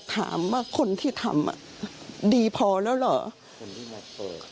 ก็ถามว่าคนที่ทำดีพอแล้วหรอเพราะคนที่มาเปิดโปลล่ะ